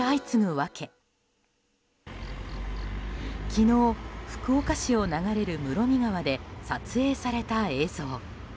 昨日、福岡市を流れる室見川で撮影された映像。